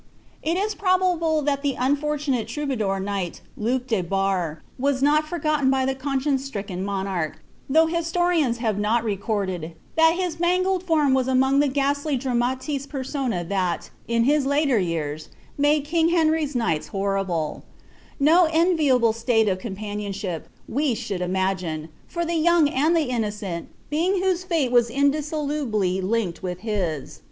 ' It is probable that the unfortunate troubadour knight, Luke de Bans, was not forgotten by the conscience stricken monarch, though ttinn rians have not recorded that his mangled form was among the gbwilf dranvtt* pcrtona thai, in his latter years, made king Hcrtr)''s iU|IUi horrible; — no enviable stale of companionship, we should itnagins, ior the young and innocent being whose fate was indissolubly linkeil witb hts.